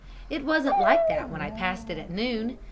It wasn't like that when I passed it at noon.